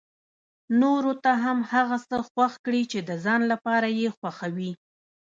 نورو ته هم هغه څه خوښ کړي چې د ځان لپاره يې خوښوي.